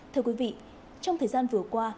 thưa quý vị trong thời gian vừa qua